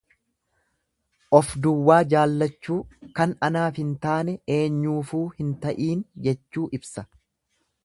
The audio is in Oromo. Of duwwaa jaallachuu, kan anaaf hin taane eenyuufuu hin ta'iin jechuu ibsa.